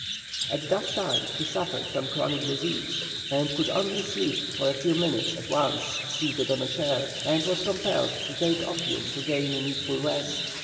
At that time he suffered from chronic disease, and could only sleep for a few minutes at once seated on a chair, and was compelled to take opium to gain needful rest.